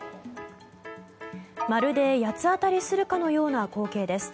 まるで八つ当たりするかのような光景です。